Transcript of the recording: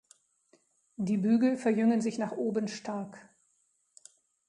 Die Bügel verjüngen sich nach oben stark.